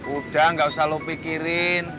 udah gak usah lo pikirin